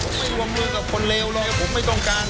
ผมไม่วงมือกับคนเลวเลยผมไม่ต้องการ